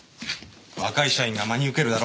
若い社員が真に受けるだろ？